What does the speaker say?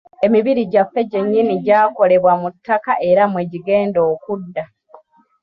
Emibiri gyaffe gyennyini gyakolebwa mu ttaka era mwe gigenda okudda.